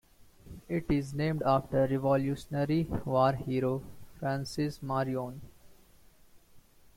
It is named after Revolutionary War hero Francis Marion.